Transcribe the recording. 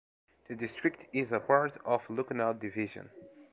The district is part of Lucknow Division.